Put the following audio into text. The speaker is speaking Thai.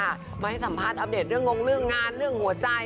มาให้สัมภาษณ์อัปเดตเรื่องงงเรื่องงานเรื่องหัวใจ